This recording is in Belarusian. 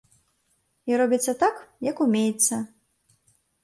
І робіцца так, як умеецца.